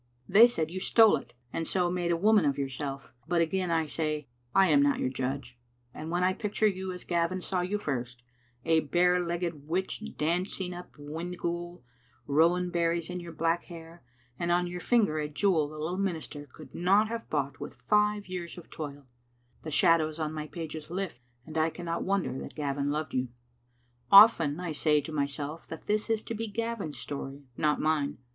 They said you stole it, and so made a woman of your self. But again I say I am not your judge, and when I picture you as Gavin saw you first, a bare legged witch dancing up Windyghoul, rowan berries in your black hair, and on your finger a jewel the little minister could not have bought with five years of toil, the shad ows on my pages lift, and I cannot wonder that Gavin loved you. Often I say to myself that this is to be Gavin's story, not mine.